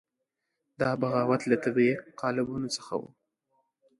دا بغاوت له طبیعي قالبونو څخه وو.